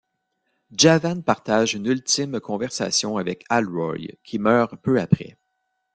Javan partage une ultime conversation avec Alroy, qui meurt peu après.